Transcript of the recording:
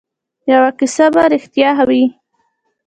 یوه کیسه به ریښتیا وي.